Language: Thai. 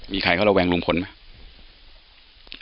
มีใครเขาระแวงลุงพลไหม